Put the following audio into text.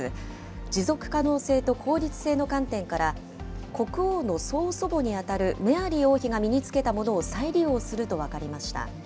持続可能性と効率性の観点から、国王の曽祖母に当たるメアリー王妃が身につけたものを再利用すると分かりました。